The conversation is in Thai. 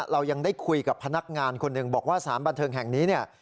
เรายังได้คุยกับพนักงานคนหนึ่งบอกว่าสารบันเทิงแห่งนี้เนี่ย